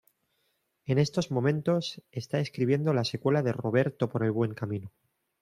En estos momentos está escribiendo la secuela de Roberto por el buen camino.